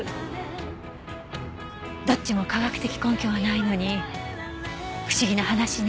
どっちも科学的根拠はないのに不思議な話ね。